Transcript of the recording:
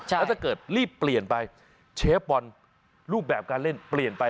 แล้วถ้าเกิดรีบเปลี่ยนไปเชฟบอลรูปแบบการเล่นเปลี่ยนไป